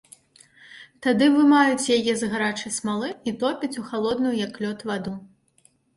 Тады вымаюць яе з гарачай смалы і топяць у халодную, як лёд, ваду.